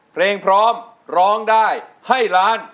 เพลงพร้อมร้องได้ให้ล้าน